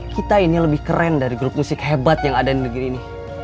kita ini lebih keren dari grup musik hebat yang ada di negeri ini